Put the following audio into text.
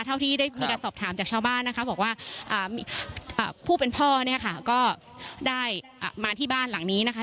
เท่าที่ได้มีการสอบถามจากชาวบ้านนะคะบอกว่าผู้เป็นพ่อเนี่ยค่ะก็ได้มาที่บ้านหลังนี้นะคะ